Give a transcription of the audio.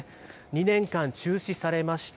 ２年間中止されました。